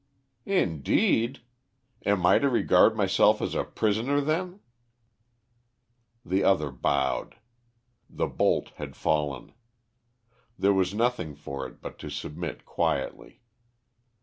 "Indeed! Am I to regard myself as a prisoner, then?" The other bowed. The bolt had fallen. There was nothing for it but to submit quietly.